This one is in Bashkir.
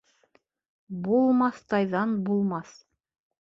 Булмаҫтайҙан булмаҫ: